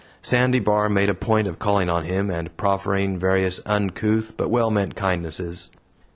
Sandy Bar made a point of calling on him, and proffering various uncouth, but well meant kindnesses.